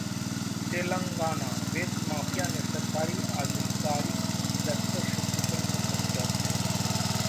तेलंगाना: रेत माफिया ने सरकारी अधिकारी की ट्रैक्टर से कुचलकर हत्या की